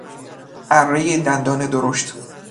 ارهی دندانه درشت